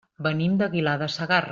Venim d'Aguilar de Segarra.